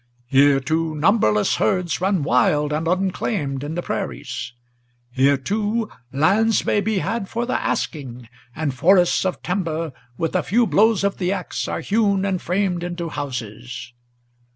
Here, too, numberless herds run wild and unclaimed in the prairies; Here, too, lands may be had for the asking, and forests of timber With a few blows of the axe are hewn and framed into houses.